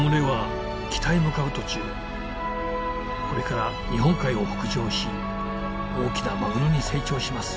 これから日本海を北上し大きなマグロに成長します。